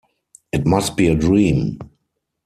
It must be a dream!